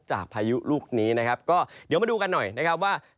จากพายุลูกนี้เดี๋ยวมาดูกันหน่อยว่า